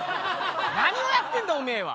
何をやってんだおめえは！